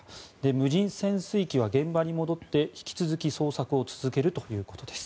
無人潜水機は現場に戻って引き続き捜索を続けるということです。